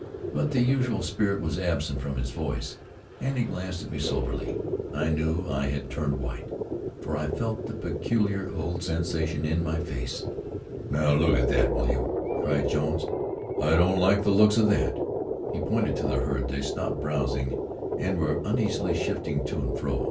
But the usual spirit was absent from his voice, and he glanced at me soberly. I knew I had turned white, for I felt the peculiar cold sensation on my face. "Now, look at that, will you?" cried Jones. "I don't like the looks of that." He pointed to the herd. They stopped browsing, and were uneasily shifting to and fro.